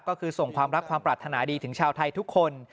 ก็คือส่งความรักความปรารถนาดีถึงชาวไทยทุกคน